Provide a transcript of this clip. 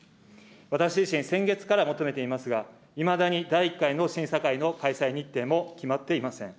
私自身、先月から求めていますが、いまだに第１回の審査会の開催日程も決まっていません。